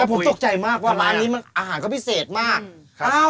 ผมตกใจมากว่าร้านนี้มันอาหารก็พิเศษมาก